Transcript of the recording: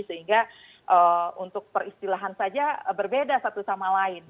sehingga untuk peristilahan saja berbeda satu sama lain